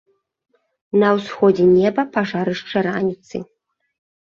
На ўсходзе неба пажарышча раніцы.